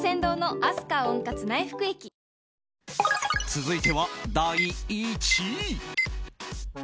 続いては第１位。